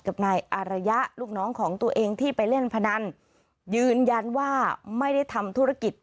กับนายอารยะลูกน้องของตัวเองที่ไปเล่นพนันยืนยันว่าไม่ได้ทำธุรกิจ